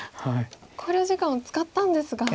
考慮時間を使ったんですが。